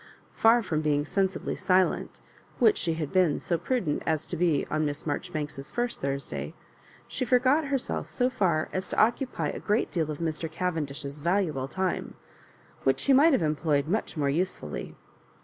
Far from being sensibly silent, which she had been so pra dent as to be on Miss Marjoribanks's first Thurs day, she forgot herself so far as to occupy a great deal of Mr. Cavendish's valuable time, which he might have em^oyed much more usefully.